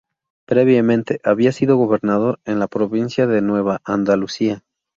Previamente había sido gobernador en la Provincia de Nueva Andalucía.